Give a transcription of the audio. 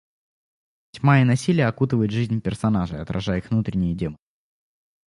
Тьма и насилие окутывают жизнь персонажей, отражая их внутренние демоны.